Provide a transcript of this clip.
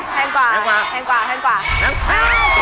แพงกว่าแพงกว่า